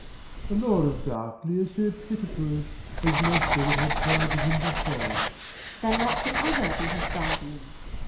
The Lord of Berkeley is so pitiful As Leicester that had charge of him before. Q. Isab. Then let some other be his guardian.